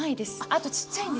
あとちっちゃいんですよ。